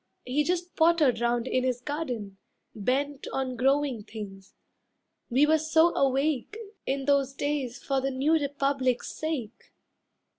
He just pottered round in his garden, bent On growing things; we were so awake In those days for the New Republic's sake.